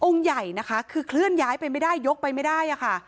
ใหญ่นะคะคือเคลื่อนย้ายไปไม่ได้ยกไปไม่ได้อะค่ะ